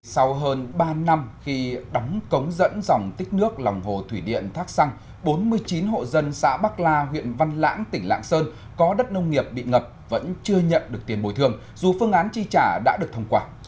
sau hơn ba năm khi đóng cống dẫn dòng tích nước lòng hồ thủy điện thác săng bốn mươi chín hộ dân xã bắc la huyện văn lãng tỉnh lạng sơn có đất nông nghiệp bị ngập vẫn chưa nhận được tiền bồi thường dù phương án chi trả đã được thông qua